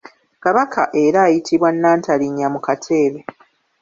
Kabaka era ayitibwa Nnantalinnya ku kateebe.